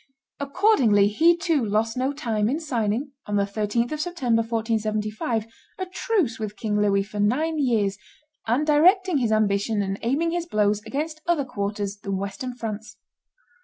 Accordingly he too lost no time in signing [on the 13th of September, 1475] a truce with King Louis for nine years, and directing his ambition and aiming his blows against other quarters than Western France.